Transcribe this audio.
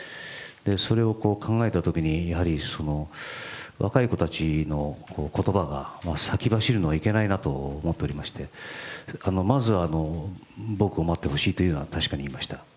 それを考えたときに、やはり若い子たちの言葉が先走るのはいけないなと思っておりまして、まずは、僕を待ってほしいというのは確かに言いました。